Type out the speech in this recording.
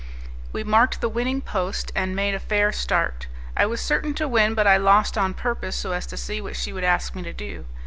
We marked the winning post, and made a fair start. I was certain to win, but I lost on purpose, so as to see what she would ask me to do.